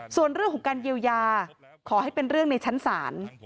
ส่วนเรื่องของการเยียวยาขอให้เป็นเรื่องในชั้นศาล